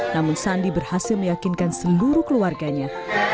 namun sandi berhasil meyakinkan seluruh keluarganya